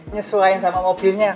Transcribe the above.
nyesuaiin sama mobilnya